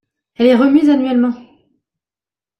Elle est remise annuellement.